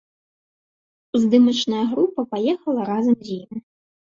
Здымачная група паехала разам з ім.